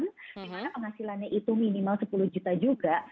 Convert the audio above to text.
dimana penghasilannya itu minimal sepuluh juta juga